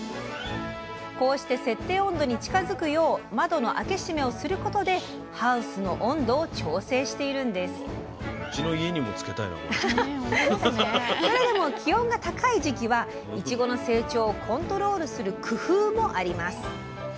こうして設定温度に近づくよう窓の開け閉めをすることでハウスの温度を調整しているんですそれでも気温が高い時期はいちごの成長をコントロールする工夫もあります。